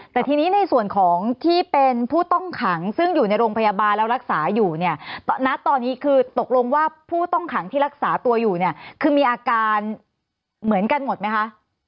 แต่ทีนี้ในส่วนของที่เป็นผู้ต้องขังซึ่งอยู่ในโรงพยาบาลแล้วรักษาอยู่เนี่ยณตอนนี้คือตกลงว่าผู้ต้องขังที่รักษาตัวอยู่เนี่ยคือมีอาการเหมือนกันหมดไหมคะ